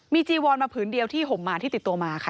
มีจีวอนมาผืนเดียวที่ห่มมาที่ติดตัวมาค่ะ